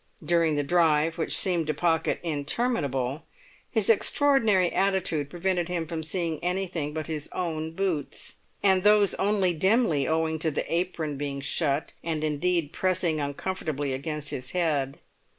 During the drive, which seemed to Pocket interminable, his extraordinary attitude prevented him from seeing anything but his own boots, and those only dimly owing to the apron being shut and indeed pressing uncomfortably against his head.